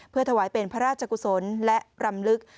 เพื่อถวายเป็นพระราชกุศลและรำลึก